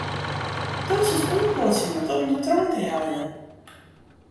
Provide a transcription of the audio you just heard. Do silst oanpoatsje moatte om de trein te heljen.